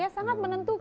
ya sangat menentukan